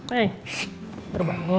hei baru bangun